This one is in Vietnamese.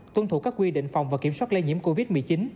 tuân thủ các quy định phòng và kiểm soát lây nhiễm covid một mươi chín